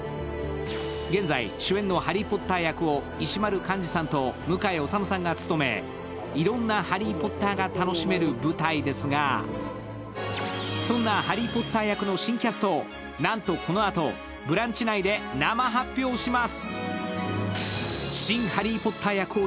現在、主演のハリー・ポッター役を石丸幹二さんと向井理さんが務め、いろんなハリー・ポッターが楽しめる舞台ですが、そんなハリー・ポッター役の新キャストを、なんとこのあと「ブランチ」内で生発表します。